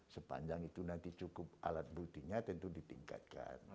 sepanjang itu nanti cukup alat buktinya tentu ditingkatkan